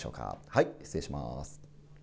はい、失礼します。